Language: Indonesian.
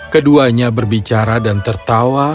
keduanya berbicara dan tertawa